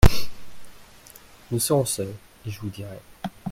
Nous serons seuls, et je vous dirai…